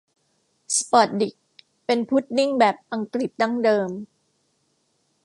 สปอตดิกเป็นพุดดิ้งแบบอังกฤษดั้งเดิม